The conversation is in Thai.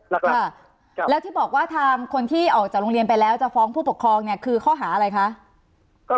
แล้วค่ะแล้วที่บอกว่าทางคนที่ออกจากโรงเรียนไปแล้วจะฟ้องผู้ปกครองเนี่ยคือข้อหาอะไรคะ